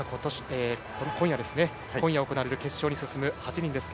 今夜行われる決勝に進む８人です。